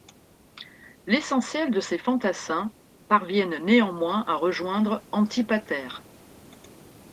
L'essentiel de ses fantassins parviennent néanmoins à rejoindre Antipater.